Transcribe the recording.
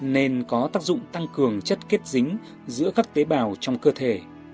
nên có tác dụng tăng cường chất kết dính giữa các tế bào trong cơ thể